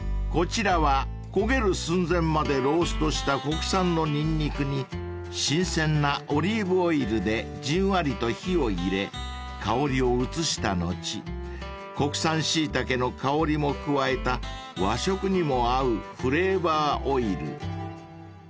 ［こちらは焦げる寸前までローストした国産のニンニクに新鮮なオリーブオイルでじんわりと火を入れ香りを移した後国産シイタケの香りも加えた和食にも合うフレーバーオイル］